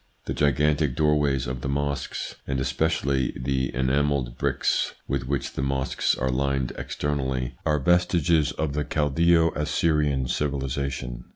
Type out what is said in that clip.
The gigantic door ways of the mosques, and especially the enamelled bricks with which the mosques are lined externally, are vestiges of the Chaldseo Assyrian civilisation.